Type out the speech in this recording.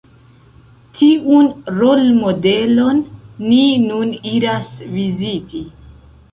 Tiun rolmodelon ni nun iras viziti.